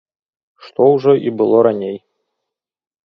Што ўжо і было раней.